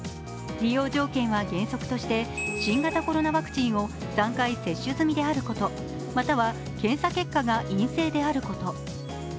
利用条件は原則として新型コロナワクチンを３回接種済みであることまた検査結果が陰性であること。